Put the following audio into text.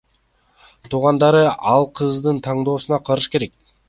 Туугандары ал кыздын тандоосуна каршы экен.